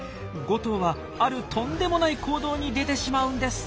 ５頭はあるとんでもない行動に出てしまうんです！